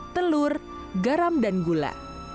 telur garam dan gula